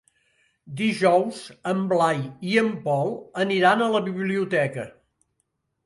Dijous en Blai i en Pol aniran a la biblioteca.